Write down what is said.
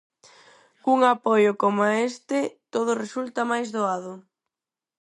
Cun apoio coma este, todo resulta máis doado.